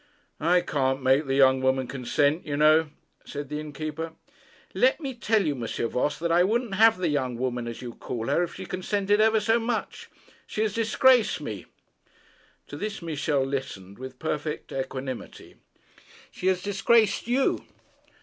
'I can't make the young woman consent, you know,' said the innkeeper. 'Let me tell you, M. Voss, that I wouldn't have the young woman, as you call her, if she consented ever so much. She has disgraced me.' To this Michel listened with perfect equanimity. 'She has disgraced you.'